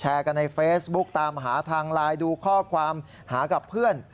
กันในเฟซบุ๊กตามหาทางไลน์ดูข้อความหากับเพื่อน